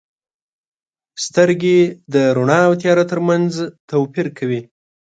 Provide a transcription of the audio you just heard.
• سترګې د رڼا او تیاره ترمنځ توپیر کوي.